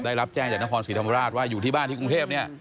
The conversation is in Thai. ได้รับแจ้งจากนครศรีธรรมราชว่าอยู่ที่บ้านที่กรุงเทพเนี่ย